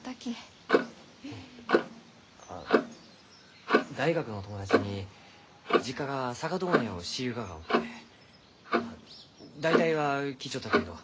あ大学の友達に実家が酒問屋をしゆうががおってまあ大体は聞いちょったけんど。